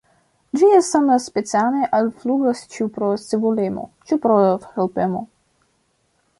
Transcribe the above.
Ĝiaj samspecianoj alflugas ĉu pro scivolemo, ĉu pro helpemo.